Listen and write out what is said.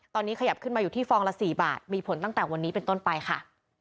ตอนนี้ขยับขึ้นมาอยู่ที่ฟองละ๔บาทมีผลตั้งแต่วันนี้เป็นต้นไปค่ะ